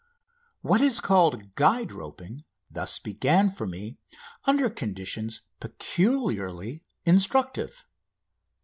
What is called "guide roping" thus began for me under conditions peculiarly instructive.